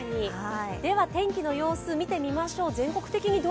では、天気の様子、見てみましょう。